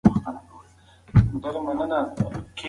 کله چې ښځې واورېدل شي، سمې پرېکړې کېږي.